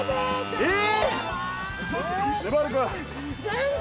えっ！